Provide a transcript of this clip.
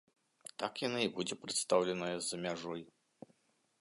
Так яна і будзе прадстаўленая за мяжой.